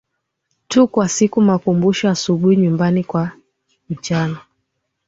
tu kwa siku makumbusho asubuhi nyumbani kwa mchana